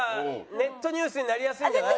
ネットニュースになりますかね？